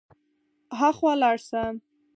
هاخوا لاړ شه.